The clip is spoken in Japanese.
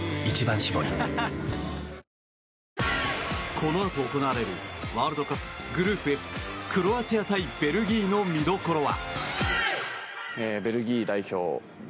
このあと行われるワールドカップ、グループＦクロアチア対ベルギーの見どころは？